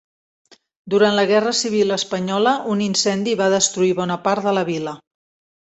Durant la Guerra civil espanyola, un incendi va destruir bona part de la vila.